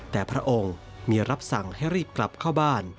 แต่พระองค์มีรับสั่งให้รีบกลับเข้าบ้าน